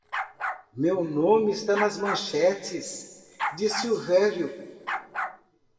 "Meu nome está nas manchetes”, disse o velho.